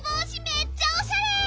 めっちゃおしゃれ！